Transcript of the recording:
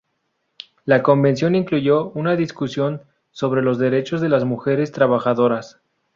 La convención incluyó una discusión sobre los derechos de las mujeres trabajadoras.